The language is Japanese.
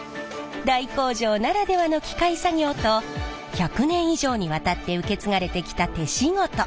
大工場ならではの機械作業と１００年以上にわたって受け継がれてきた手仕事。